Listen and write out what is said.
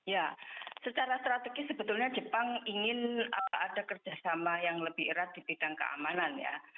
ya secara strategis sebetulnya jepang ingin ada kerjasama yang lebih erat di bidang keamanan ya